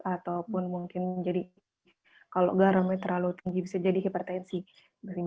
ataupun mungkin jadi kalau garamnya terlalu tinggi bisa jadi hipertensi dari